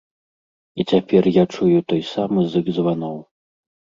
І цяпер я чую той самы зык званоў.